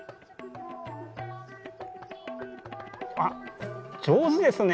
あっ上手ですね！